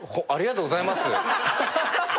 ありがとうございます。